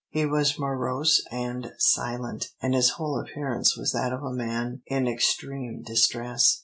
He was morose and silent, and his whole appearance was that of a man in extreme distress.